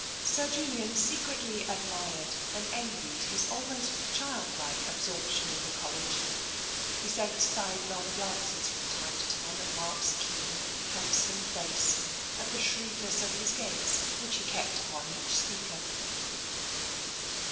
Sir Julian secretly admired and envied his almost childlike absorption in the College. He sent sidelong glances from time to time at Mark's keen, handsome face, at the shrewdness of the gaze which he kept upon each speaker.